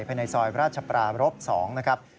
ภายในซอยราชปรารบ๒นะครับ